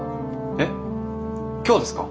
えっ今日ですか？